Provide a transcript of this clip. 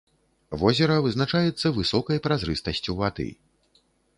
Возера вызначаецца высокай празрыстасцю вады.